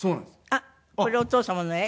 あっこれお父様の絵？